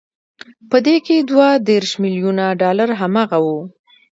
په دې کې دوه دېرش ميليونه ډالر هماغه وو